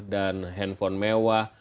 dan handphone mewah